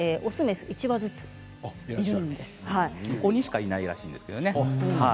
そこにしかいないらしいんですけどね。